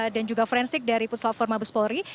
dan juga forensik dari pusat forma bespori